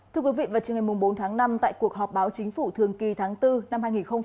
thưa quý vị vào chiều ngày bốn tháng năm tại cuộc họp báo chính phủ thường kỳ tháng bốn năm hai nghìn hai mươi